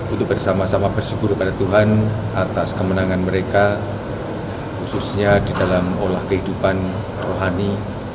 untuk bersama sama bersyukur kepada tuhan atas kemenangan mereka khususnya di dalam olah kehidupan rohani